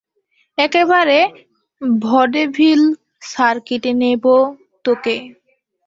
একেবারে ভডেভিল সার্কিটে নেবো তোকে।